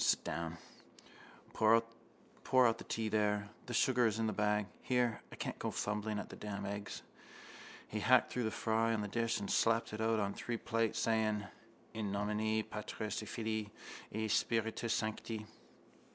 Sit down. Pour out the tea there. The sugar is in the bag. Here, I can't go fumbling at the damned eggs. He hacked through the fry on the dish and slapped it out on three plates, saying: —_In nomine Patris et Filii et Spiritus Sancti.